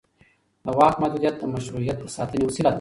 د واک محدودیت د مشروعیت د ساتنې وسیله ده